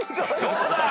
どうだ？